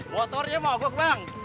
motornya mau gok bang